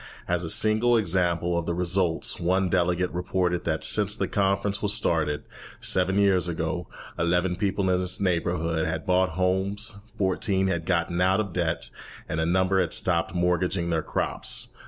As a single example of the results, one delegate reported that since the conference was started, seven years ago, eleven people in his neighbourhood had bought homes, fourteen had gotten out of debt, and a number had stopped mortgaging their crops.